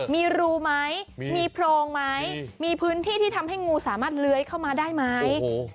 มีรูไหมมีโพรงไหมมีพื้นที่ที่ทำให้งูสามารถเลื้อยเข้ามาได้ไหม